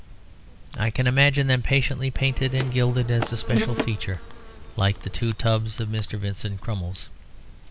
I can imagine them patiently painted and gilded as a special feature, like the two tubs of Mr. Vincent Crummles.